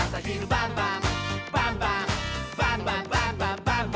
「バンバンバンバンバンバン！」